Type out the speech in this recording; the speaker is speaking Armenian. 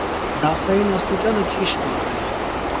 Դասային աստիճանը չի շնորհվել։